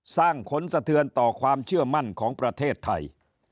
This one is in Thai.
สร้างขนสะเทือนต่อความเชื่อมั่นของประเทศไทย